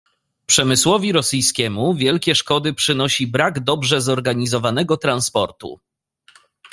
"Przemysłowi rosyjskiemu wielkie szkody przynosi brak dobrze zorganizowanego transportu."